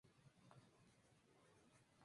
Permaneció en el equipo por dos años.